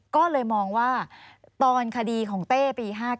ก็เลยมองว่าตอนคดีของเต้ปี๕๙